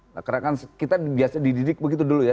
karena kan kita biasanya dididik begitu dulu ya